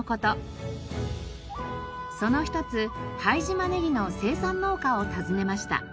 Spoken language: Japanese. その一つ拝島ネギの生産農家を訪ねました。